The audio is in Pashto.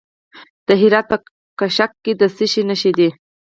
د هرات په کشک کې د څه شي نښې دي؟